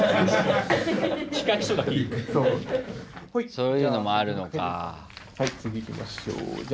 そういうのもあるのか。